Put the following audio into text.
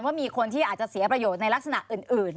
ว่ามีคนที่อาจจะเสียประโยชน์ในลักษณะอื่น